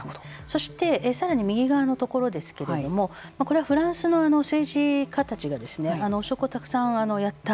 そして右側のところですけれどもこれはフランスの政治家たちが汚職をたくさんやった。